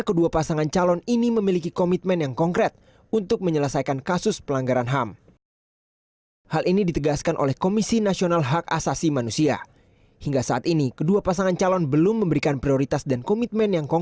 kedua pasangan calon presiden dan wakil presiden